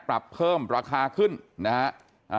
ปรับเพิ่มราคาขึ้นนะฮะ